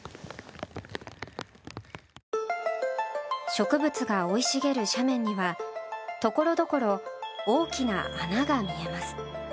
植物が生い茂る斜面にはところどころ大きな穴が見えます。